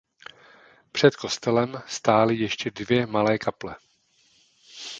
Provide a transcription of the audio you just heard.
Před kostelem stály ještě dvě malé kaple.